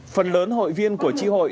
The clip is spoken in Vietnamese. phần lớn hội viên của chi hội